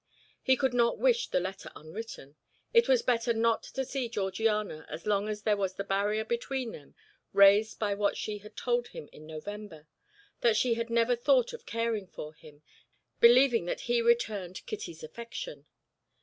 He could not wish the letter unwritten; it was better not to see Georgiana as long as there was the barrier between them raised by what she had told him in November, that she had never thought of caring for him, believing that he returned Kitty's affection.